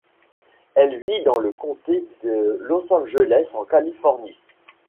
Elle vit dans le comté de Los Angeles, en Californie.